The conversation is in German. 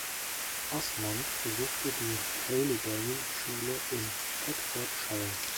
Osmond besuchte die Haileybury Schule in Hertfordshire.